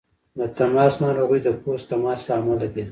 د تماس ناروغۍ د پوست تماس له امله دي.